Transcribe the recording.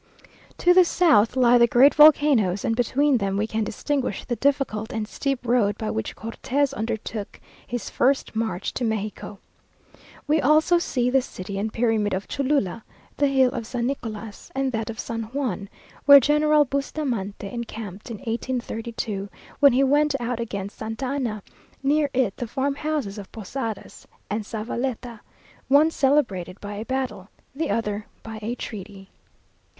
To the south lie the great volcanoes, and between them we can distinguish the difficult and steep road by which Cortes undertook his first march to Mexico. We also see the city and pyramid of Cholula, the hill of San Nicolas, and that of San Juan, where General Bustamante encamped in 1832, when he went out against Santa Anna; near it the farm houses of Posadas and Zavaleta, one celebrated by a battle, the other by a treaty.